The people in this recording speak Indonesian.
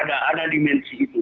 ada dimensi itu